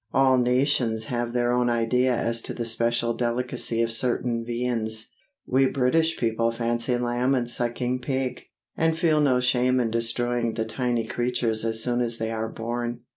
All nations have their own idea as to the special delicacy of certain viands. We British people fancy lamb and sucking pig, and feel no shame in destroying the tiny creatures as soon as they are born.